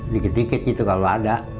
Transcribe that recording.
dikit dikit gitu kalau ada